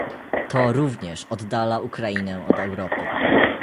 To również oddala Ukrainę od Europy